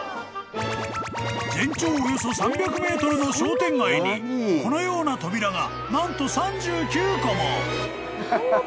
［全長およそ３００ｍの商店街にこのような扉が何と３９個も］